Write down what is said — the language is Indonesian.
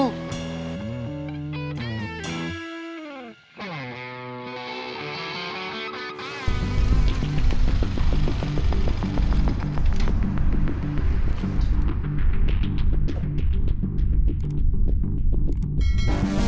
nanti kita cari